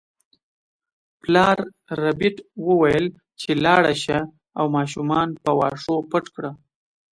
پلار ربیټ وویل چې لاړه شه او ماشومان په واښو پټ کړه